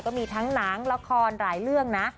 ก็มีทั้งหนังละครหลายเรื่องนะ